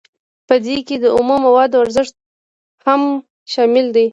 په دې کې د اومو موادو ارزښت هم شامل دی